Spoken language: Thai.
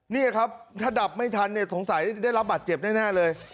นี่ครับถ้าดับไม่ทันเนี่ยสงสัยได้รับบัตรเจ็บแน่เลย